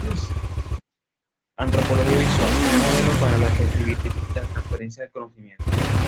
Antropología visual: un modelo para la creatividad y la transferencia del conocimiento.